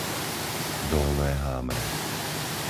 Dolné Hámre